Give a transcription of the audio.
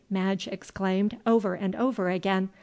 Madge exclaimed over and over again.